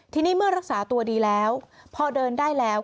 ทีนี้เมื่อรักษาตัวดีแล้วพอเดินได้แล้ว